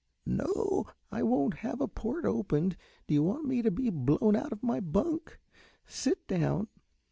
"No, I won't have a port opened, d'you want me to be blown out of my bunk? Sit down."